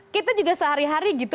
kita juga sehari hari gitu